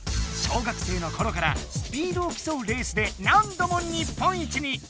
小学生の頃からスピードを競うレースで何度も日本一に。